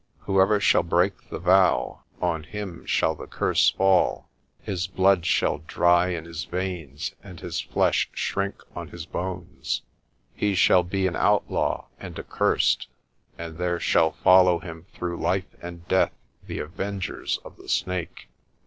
Whoever shall break the vow, on him shall the curse fall. His blood shall dry in his veins, and his flesh shrink on his bones. He shall be an outlaw and accursed, and there shall follow him through life and death the Avengers of the Snake.